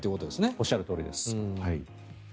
おっしゃるとおりです。